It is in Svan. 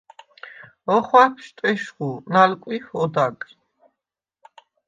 ოხვაფშვდ ეშხუ, ნალკვიჰვ ოდაგრ.